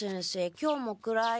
今日も暗い。